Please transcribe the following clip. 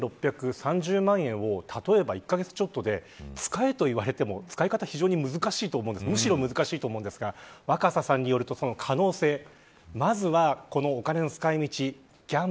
そして、４６３０万円を例えば１カ月ちょっとで使えといわれても使い方、むしろ難しいと思うんですが若狭さんによるとその可能性です。